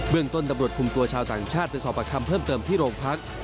เมืองต้นตำรวจคุมตัวชาวต่างชาติไปสอบประคำเพิ่มเติมที่โรงพัก